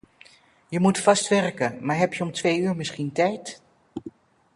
Je moet vast werken, maar heb je om twee uur misschien tijd?